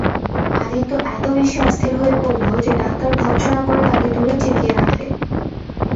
আদিত্য এত বেশি অস্থির হয়ে পড়ল যে ড়াক্তার ভর্ৎসনা করে তাকে দূরে ঠেকিয়ে রাখলে।